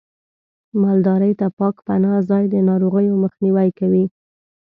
مالدارۍ ته پاک پناه ځای د ناروغیو مخنیوی کوي.